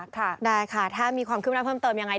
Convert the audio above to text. อ๋อค่ะได้ค่ะถ้ามีความคุ้มรับเพิ่มเติมอย่างไร